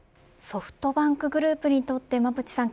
ソフトバンクグループにとって馬渕さん